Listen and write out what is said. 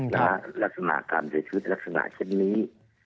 และลักษณะการเสียชีวิตลักษณะเช่นนี้